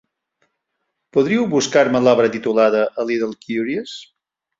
Podríeu buscar-me l'obra titulada "A Little Curious"?